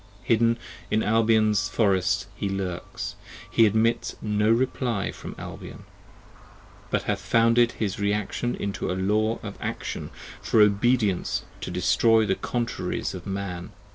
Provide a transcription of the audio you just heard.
Hidden in Albion's Forests he lurks : he admits of no Reply From Albion: but hath founded his Reaction into a Law 15 Of Adion, for Obedience to destroy the Contraries of Man.